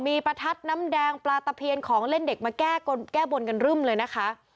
มีประทัดน้ำแดงปลาตะเพียนของเล่นเด็กมาแก้บนกันรึ่มเลยนะคะ